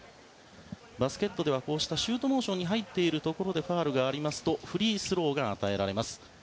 バスケットではシュートモーションに入っているところでファウルがありますとフリースローが与えられます。